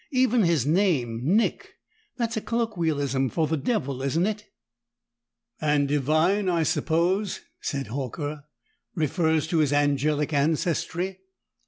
Even his name, Nick that's a colloquialism for the devil, isn't it?" "And Devine, I suppose," said Horker, "refers to his angelic ancestry.